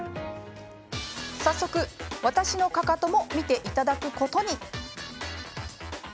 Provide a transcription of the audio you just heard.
早速、私のかかとも診ていただくことに。